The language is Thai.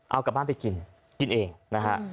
เอากลับบ้านไปกินกินเองนะฮะ